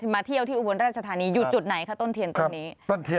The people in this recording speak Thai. มาเที่ยวที่อุบลราชธานีอยู่จุดไหนคะต้นเทียนตรงนี้